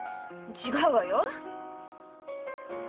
違うわよ。